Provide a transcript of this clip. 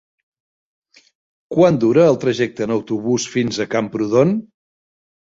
Quant dura el trajecte en autobús fins a Camprodon?